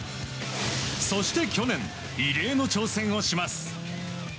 そして、去年異例の挑戦をします。